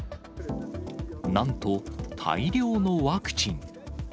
なんと、大量のワクチン。